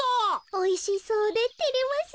おいしそうでてれますねえ。